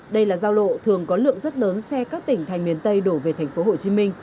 đây là giao lộ thường có lượng rất lớn xe các tỉnh thành miền tây đổ về thành phố hồ chí minh